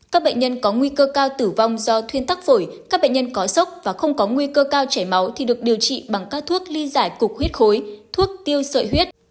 các bệnh nhân có nguy cơ cao tử vong do thuyên tắc phổi các bệnh nhân có sốc và không có nguy cơ cao chảy máu thì được điều trị bằng các thuốc ly giải cục huyết khối thuốc tiêu sợi huyết